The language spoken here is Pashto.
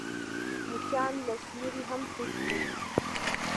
مچان له سیوري هم تښتي